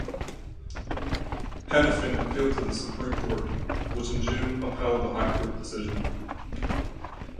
Hanafin appealed to the Supreme Court, which in June upheld the High Court decision.